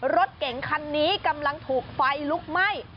รถเก๋งคันนี้กำลังถูกไฟลุกไหม้